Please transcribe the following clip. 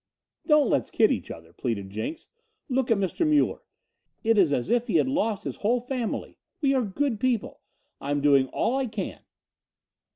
"Don't let's kid each other," pleaded Jenks. "Look at Mr. Muller: it is as if he had lost his whole family. We are good people. I am doing all I can.